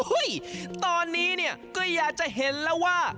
อุ๊ยตอนนี้ก็อยากจะเห็นแล้วว่า